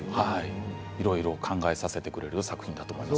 いろいろ考えさせてくれる作品だと思います。